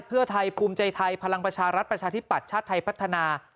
เพื่อไทยภูมิใจไทยพลังประชารัฐประชาธิปัตย์ชาติไทยพัฒนา